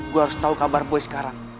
gue harus tau kabar boy sekarang